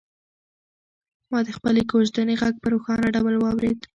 ما د خپلې کوژدنې غږ په روښانه ډول واورېد.